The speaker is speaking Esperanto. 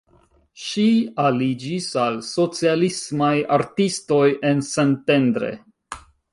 Ŝi aliĝis al socialismaj artistoj en Szentendre.